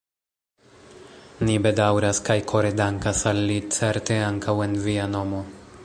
Ni bedaŭras kaj kore dankas al li, certe ankaŭ en via nomo.